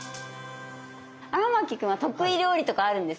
荒牧君は得意料理とかあるんですか？